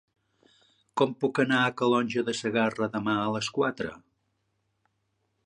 Com puc anar a Calonge de Segarra demà a les quatre?